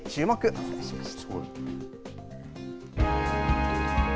お伝えしました。